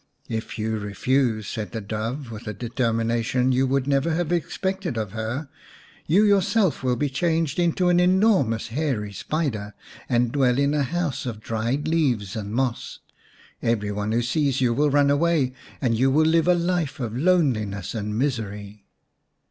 " If you refuse," said the Dove, with a determination you would never have expected of her, " you yourself will be changed into an enormous hairy spider and dwell in a house of dried leaves and moss. Every one who sees you will run away, and you will live a life of loneliness and misery."